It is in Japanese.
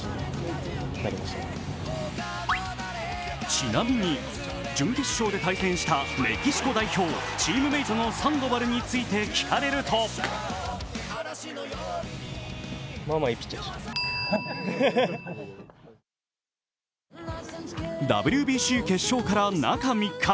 ちなみに準決勝で対戦したメキシコ代表チームメートのサンドバルについて聞かれるとＷＢＣ決勝から中３日。